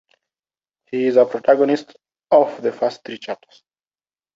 He is the protagonist of the first three chapters.